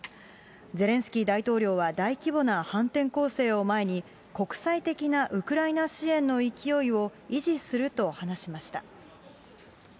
ゼレンスキー大統領は大規模な反転攻勢を前に、国際的なウクライナ支援の勢いを維持すると話しました。